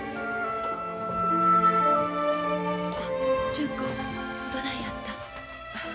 純子どないやった？